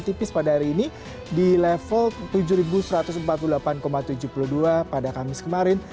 tipis pada hari ini di level tujuh satu ratus empat puluh delapan tujuh puluh dua pada kamis kemarin